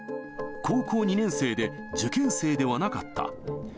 高校２年生で、受験生ではなかった。